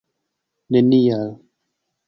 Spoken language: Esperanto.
nenial